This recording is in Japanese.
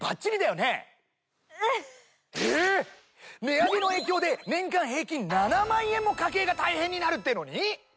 値上げの影響で年間平均７万円も家計が大変になるっていうのに？